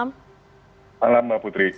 malam mbak putri